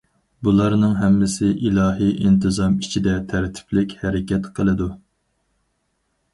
بۇلارنىڭ ھەممىسى ئىلاھى ئىنتىزام ئىچىدە تەرتىپلىك ھەرىكەت قىلىدۇ.